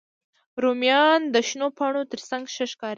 رومیان د شنو پاڼو تر څنګ ښه ښکاري